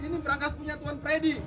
ini berangkas punya tuan freddy